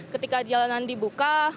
ketika jalanan dibuka